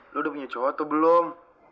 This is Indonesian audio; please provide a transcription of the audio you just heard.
lu udah punya cowok atau belum